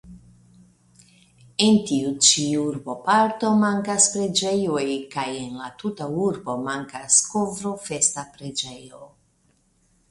En tiu ĉi urboparto mankas preĝejoj kaj en la tuta urbo mankas Kovrofesta preĝejo.